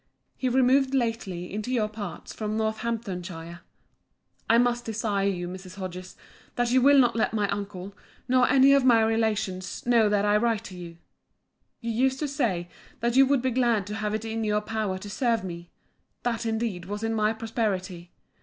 He removed lately into your parts form Northamptonshire.' I must desire you, Mrs. Hodges, that you will not let my uncle, nor any of my relations, know that I write to you. You used to say, that you would be glad to have it in your power to serve me. That, indeed, was in my prosperity.